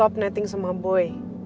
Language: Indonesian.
kami sedang menyuruh